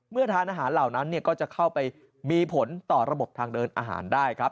ทานอาหารเหล่านั้นก็จะเข้าไปมีผลต่อระบบทางเดินอาหารได้ครับ